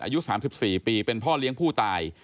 อายุ๓๔ปีเป็นพ่อเลี้ยงผู้ตาย